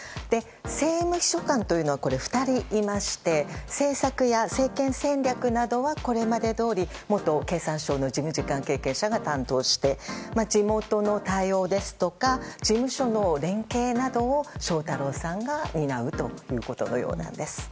政務秘書官というのは２人いまして政策や政権戦略などはこれまでどおり元経産省の事務次官経験者が担当して、地元の対応ですとか事務所の連携などを翔太郎さんが担うということのようなんです。